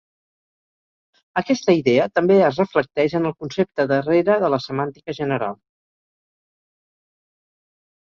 Aquesta idea també es reflecteix en el concepte darrere de la semàntica general.